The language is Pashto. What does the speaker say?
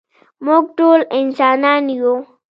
مونږ ټول انسانان يو.